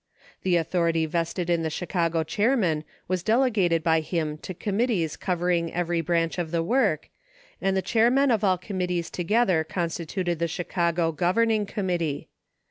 The authority vested in the Chicago Chairman was delegated by him to com mittees covering every branch of the work, and the chair men of all committees together constituted the Chicago Governing Committee.